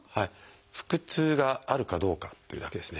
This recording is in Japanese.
腹痛があるかどうかっていうだけですね。